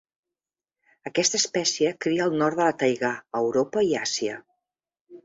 Aquesta espècie cria al nord de la taigà a Europa i Àsia.